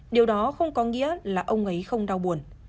điều đó không có nghĩa là ông ấy không đau buồn